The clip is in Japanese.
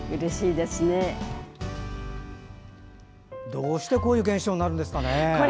どうしてこういう現象になるんですかね。